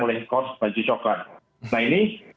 oleh kors baju coklat nah ini